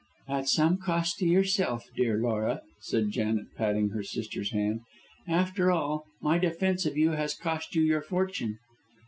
"At some cost to yourself, dear Laura," said Janet, patting her sister's hand. "After all, my defence of you has cost you your fortune."